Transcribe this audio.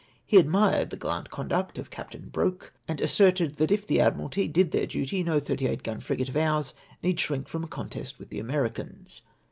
He admired the gallant conduct of Captain Broke, and asserted that if the Admiralty did their duty no 38 gun frigate of ours need shrink from a contest with the Americans.